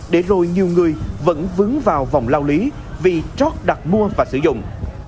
để rồi nhiều người vẫn vứng vào vòng lao lý vì trót đặt mua và sử dụng